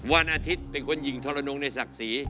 วันอาทิตย์เป็นคนหญิงทรนงในศักดิ์ศรี